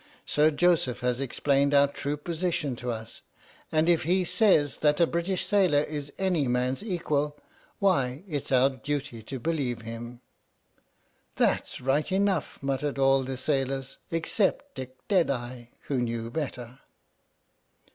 Sir Joseph has explained our true position to us, and if he says that a British sailor is any man's equal, why it's our duty to believe him! " "That's right enough! " muttered all the sailors, except Dick Deadeye, who knew better.